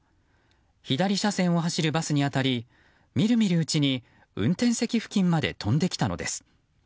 左車線を走るバスに当たり見る見るうちに運転席付近まで飛んできたのです。